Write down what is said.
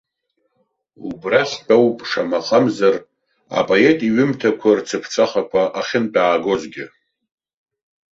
Убрахьтә ауп, шамахамзар, апоет иҩымҭақәа рцыԥҵәахақәа ахьынтәаагозгьы.